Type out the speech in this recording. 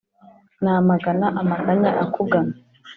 namagana Amaganya akugana.